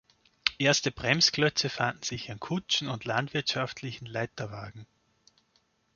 Erste Bremsklötze fanden sich an Kutschen und landwirtschaftlichen Leiterwagen.